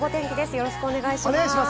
よろしくお願いします。